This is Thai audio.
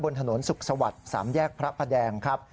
บนถนนสุขสวัสดิ์๓แยกพระประแดงครับ